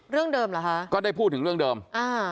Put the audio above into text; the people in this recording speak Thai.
เรื่องเดิมเหรอคะก็ได้พูดถึงเรื่องเดิมอ่า